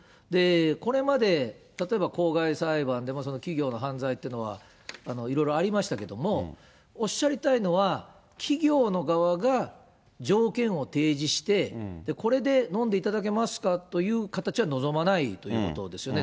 これまで例えば公害裁判でも企業の犯罪っていうのはいろいろありましたけども、おっしゃりたいのは、企業の側が条件を提示して、これでのんでいただけますかという形は望まないということですよね。